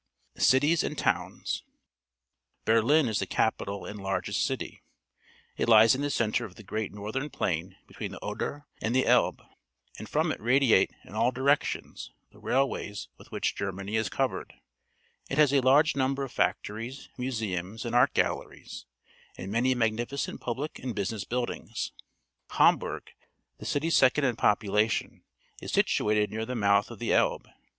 Cities and Towns. — Berlin is the capital and largest city. It lies in~ElIe~cenTre of the~ great northern plain between the Oder and the Elbe, and from it radiate in all directions the railways with which Germany is covered. A Street along a Canal, Berlin It has a large number of factories, museums, and art galleries, and many magnificent public and business buildings. Hamburg, the city second in population, is situated near the mouth_ of the Elb e.